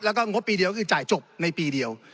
แล้วก็งบปีเดียวก็คือจ่ายจบในปีเดียว